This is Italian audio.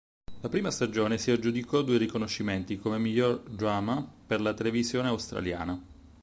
La prima stagione si aggiudicò due riconoscimenti, come miglior drama per la televisione australiana.